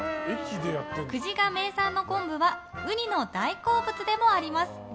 久慈が名産の昆布はウニの大好物でもあります。